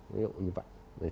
ví dụ như vậy